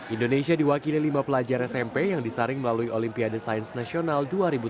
indonesia diwakili lima pelajar smp yang disaring melalui olimpiade sains nasional dua ribu tujuh belas